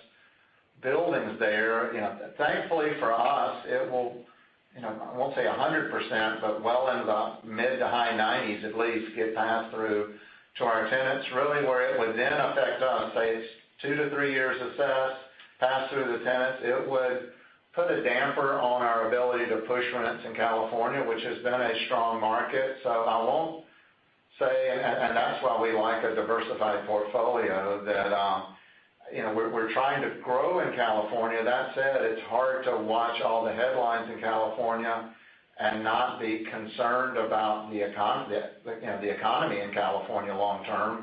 buildings there. Thankfully for us, it will, I won't say 100%, but well in the mid to high 90s at least, get passed through to our tenants. Really where it would then affect us, say two to three years assessed, passed through the tenants, it would put a damper on our ability to push rents in California, which has been a strong market. I won't say And that's why we like a diversified portfolio that we're trying to grow in California. That said, it's hard to watch all the headlines in California and not be concerned about the economy in California long term.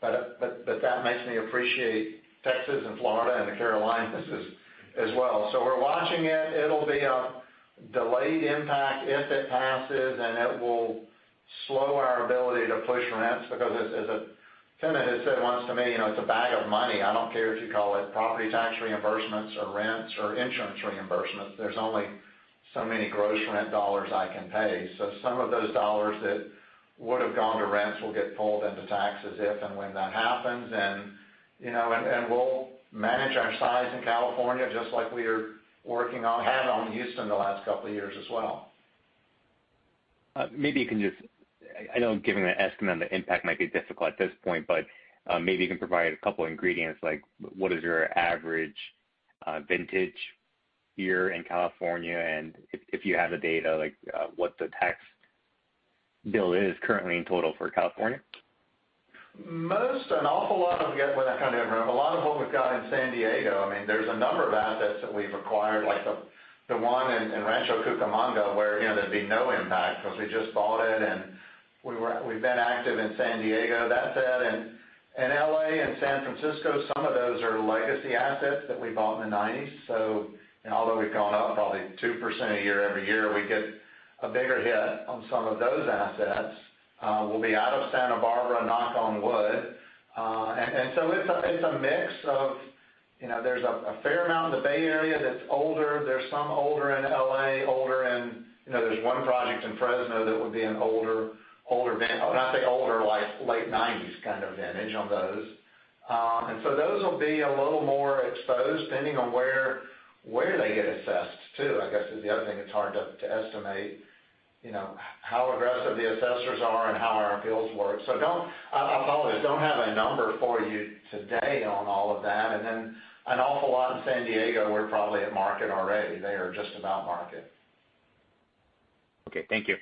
That makes me appreciate Texas and Florida and the Carolinas as well. We're watching it. It'll be a delayed impact if it passes, and it will slow our ability to push rents because as a tenant has said once to me, "It's a bag of money. I don't care if you call it property tax reimbursements or rents or insurance reimbursements. There's only so many gross rent dollars I can pay." Some of those dollars that would've gone to rents will get pulled into taxes if and when that happens. We'll manage our size in California just like we are working on Houston the last couple of years as well. Maybe you can, I know, giving an estimate on the impact might be difficult at this point, but maybe you can provide a couple ingredients, like what is your average vintage year in California, and if you have the data, like what the tax bill is currently in total for California? An awful lot of, again, without trying to interrupt, a lot of what we've got in San Diego, there's a number of assets that we've acquired, like the one in Rancho Distribution Center, where there'd be no impact because we just bought it, and we've been active in San Diego. That said, in L.A. and San Francisco, some of those are legacy assets that we bought in the '90s. Although we've gone up probably 2% a year every year, we get a bigger hit on some of those assets. We'll be out of Santa Barbara, knock on wood. It's a mix of. There's a fair amount in the Bay Area that's older. There's some older in L.A. There's one project in Fresno that would be an older vintage. When I say older, like late '90s kind of vintage on those. Those will be a little more exposed, depending on where they get assessed, too, I guess is the other thing that's hard to estimate, how aggressive the assessors are and how our appeals work. I apologize, don't have a number for you today on all of that. An awful lot in San Diego, we're probably at market already. They are just about market. Okay. Thank you.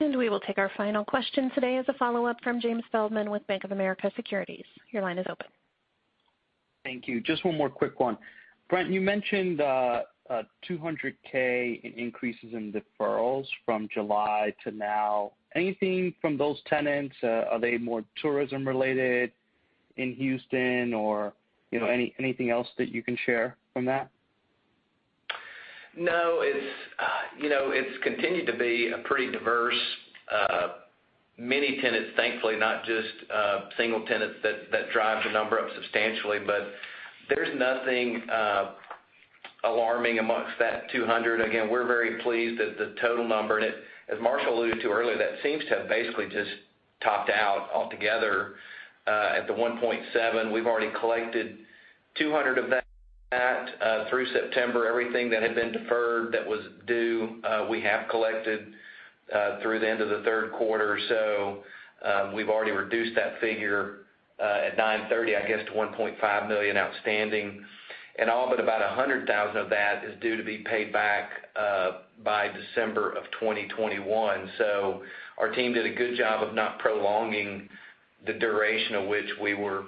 Sure. We will take our final question today as a follow-up from James Feldman with Bank of America Securities. Your line is open. Thank you. Just one more quick one. Brent, you mentioned $200,000 in increases in deferrals from July to now. Anything from those tenants? Are they more tourism related in Houston or anything else that you can share from that? No. It's continued to be a pretty diverse, many tenants, thankfully, not just single tenants that drive the number up substantially. There's nothing alarming amongst that 200. Again, we're very pleased at the total number. As Marshall alluded to earlier, that seems to have basically just topped out altogether at the $1.7 million. We've already collected $200,000 of that through September. Everything that had been deferred that was due, we have collected through the end of the third quarter. We've already reduced that figure at 9/30, I guess, to $1.5 million outstanding, and all but about $100,000 of that is due to be paid back by December of 2021. Our team did a good job of not prolonging the duration of which we were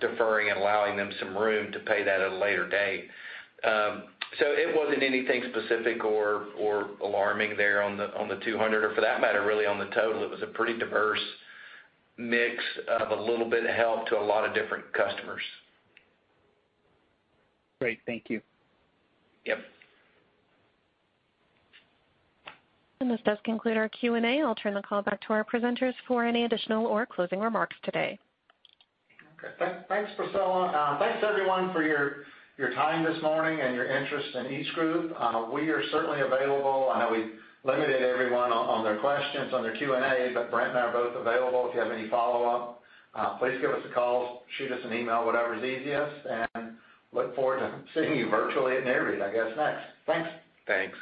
deferring and allowing them some room to pay that at a later date. It wasn't anything specific or alarming there on the 200, or for that matter, really on the total. It was a pretty diverse mix of a little bit of help to a lot of different customers. Great. Thank you. Yep. This does conclude our Q&A. I'll turn the call back to our presenters for any additional or closing remarks today. Okay. Thanks, Priscilla. Thanks, everyone, for your time this morning and your interest in EastGroup. We are certainly available. I know we limited everyone on their questions on their Q&A, but Brent and I are both available if you have any follow-up. Please give us a call, shoot us an email, whatever's easiest, and look forward to seeing you virtually at Nareit, I guess, next. Thanks. Thanks.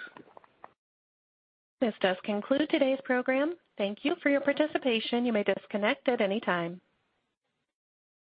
This does conclude today's program. Thank you for your participation. You may disconnect at any time.